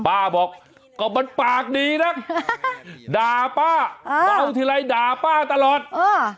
ป้าบอกก็มันปากดีนักด่าป้าอ่าป้าเอาทีไรด่าป้าตลอดอ่า